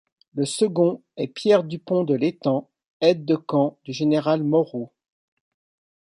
Le second est Pierre Dupont de l'Étang, aide de camp du général Moreau.